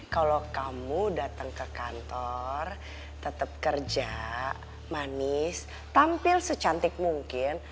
kalo kamu dateng ke kantor tetep kerja manis tampil secantik mungkin